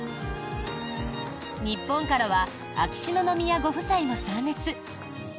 日本からは秋篠宮ご夫妻も参列。